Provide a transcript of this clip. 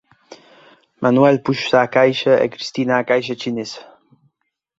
Manuel púxose á caixa e Cristina á caixa chinesa